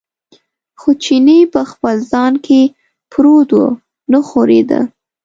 خو چیني په خپل ځای کې پروت و، نه ښورېده.